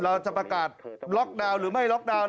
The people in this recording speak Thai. เราจะประกาศล็อกดาวน์หรือไม่ล็อกดาวน